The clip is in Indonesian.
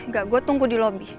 gak gue tunggu di lobby